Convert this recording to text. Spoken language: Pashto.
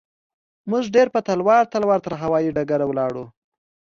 موږ ډېر په تلوار تلوار تر هوايي ډګره ولاړو.